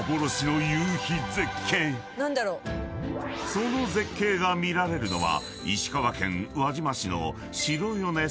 ［その絶景が見られるのは］